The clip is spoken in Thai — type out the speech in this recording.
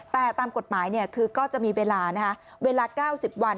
แต่ตามกฎหมายก็จะมีเวลา๙๐วัน